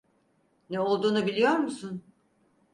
Ne olduğunu biliyor musun?